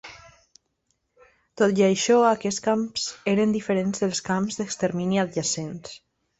Tot i això, aquests camps eren "diferents dels camps d'extermini adjacents".